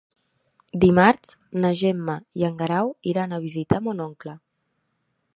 Dimarts na Gemma i en Guerau iran a visitar mon oncle.